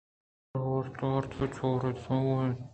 چیزاناں ھورت ھورت ءَ بہ چار اِت ءُ بہ پَھم اِت